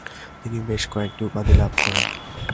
তিনি বেশ কয়েকটি উপাধি লাভ করেন।